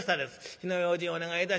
火の用心お願いいたしますって